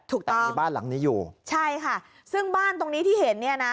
ถูกต้องใช่ค่ะซึ่งบ้านตรงนี้ที่เห็นเนี่ยนะ